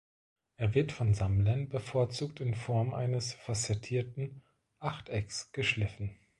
Er wird von Sammlern bevorzugt in Form eines facettierten Achtecks geschliffen.